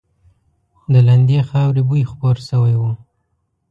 د لندې خاورې بوی خپور شوی و.